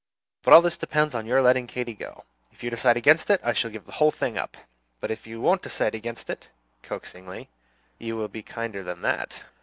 But all this depends on your letting Katy go. If you decide against it, I shall give the whole thing up. But you won't decide against it," coaxingly, "you will be kinder than that.